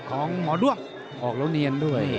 ของหมอด้วงออกแล้วเนียนด้วย